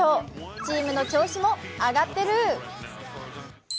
チームの調子も上ってる。